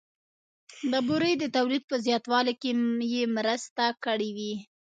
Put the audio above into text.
د بورې د تولید په زیاتوالي کې یې مرسته کړې وي